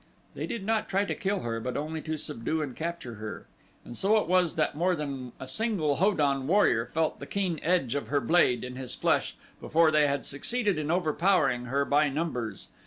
They did not try to kill her, but only to subdue and capture her; and so it was that more than a single Ho don warrior felt the keen edge of her blade in his flesh before they had succeeded in overpowering her by numbers.